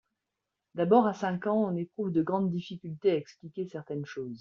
D’abord, à cinq ans, on éprouve de grandes difficultés à expliquer certaines choses.